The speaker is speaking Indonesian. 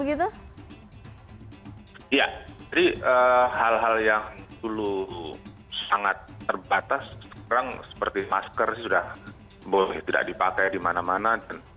iya jadi hal hal yang dulu sangat terbatas sekarang seperti masker sudah boleh tidak dipakai di mana mana